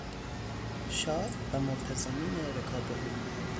شاه و ملتزمین رکاب او